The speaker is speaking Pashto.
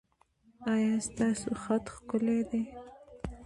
ایا ستاسو خط ښکلی دی؟